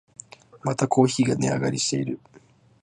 またコーヒーが値上がりしてる